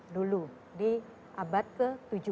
dulu di abad ke tujuh belas